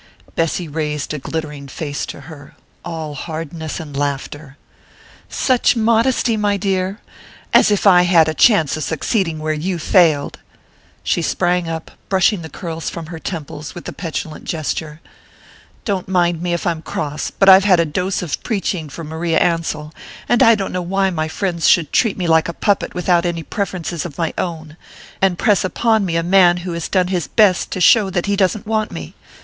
Bessy raised a glittering face to her all hardness and laughter. "Such modesty, my dear! As if I had a chance of succeeding where you failed!" She sprang up, brushing the curls from her temples with a petulant gesture. "Don't mind me if I'm cross but I've had a dose of preaching from Maria Ansell, and I don't know why my friends should treat me like a puppet without any preferences of my own, and press me upon a man who has done his best to show that he doesn't want me.